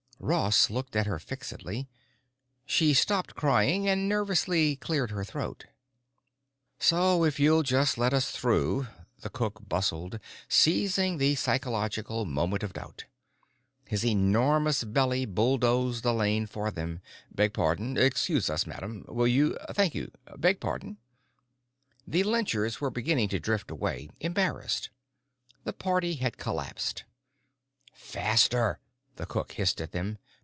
Ross looked at her fixedly. She stopped crying and nervously cleared her throat. "So if you'll just let us through," the cook bustled, seizing the psychological moment of doubt. His enormous belly bulldozed a lane for them. "Beg pardon. Excuse us. Madam, will you—thank you. Beg pardon——" The lynchers were beginning to drift away, embarrassed. The party had collapsed. "Faster," the cook hissed at them.